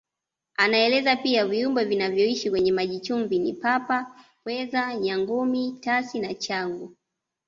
Anaeleza pia viumbe vinavyoishi kwenye maji chumvi ni Papa Pweza Nyangumi Tasi na Changu